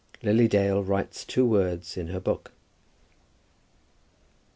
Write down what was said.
LILY DALE WRITES TWO WORDS IN HER BOOK.